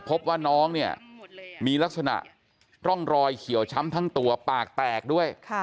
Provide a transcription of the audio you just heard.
พบว่าน้องเนี่ยมีลักษณะร่องรอยเขียวช้ำทั้งตัวปากแตกด้วย